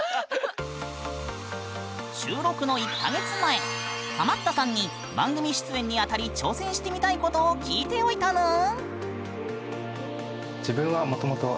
収録の１か月前ハマったさんに番組出演にあたり挑戦してみたいことを聞いておいたぬん！